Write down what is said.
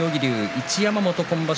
一山本、今場所